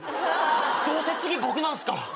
どうせ次僕なんすから。